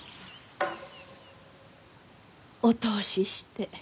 お通しして。